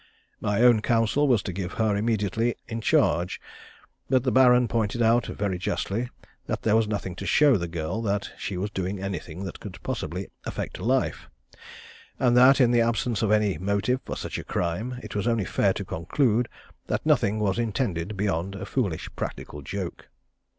My own counsel was to give her immediately in charge, but the Baron pointed out, very justly, that there was nothing to show the girl that she was doing anything that could possibly affect life; and that, in the absence of any motive for such a crime, it was only fair to conclude that nothing was intended beyond a foolish practical joke.